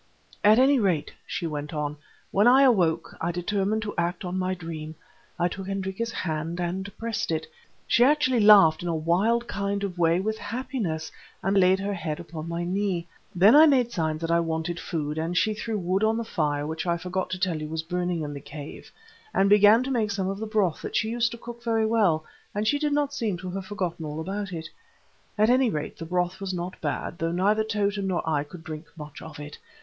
"At any rate," she went on, "when I awoke I determined to act on my dream. I took Hendrika's hand, and pressed it. She actually laughed in a wild kind of way with happiness, and laid her head upon my knee. Then I made signs that I wanted food, and she threw wood on the fire, which I forgot to tell you was burning in the cave, and began to make some of the broth that she used to cook very well, and she did not seem to have forgotten all about it. At any rate the broth was not bad, though neither Tota nor I could drink much of it.